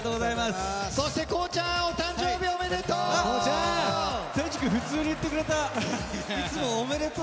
そして光ちゃん、お誕生日おめでとう！